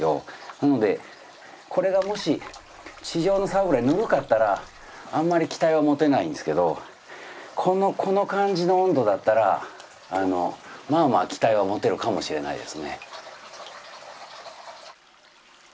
なのでこれがもし地上の沢ぐらいぬるかったらあんまり期待は持てないんですけどこの感じの温度だったらまあまあ期待は持てるかもしれないですね。